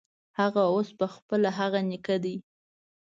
هغه اوس پخپله هغه نیکه دی.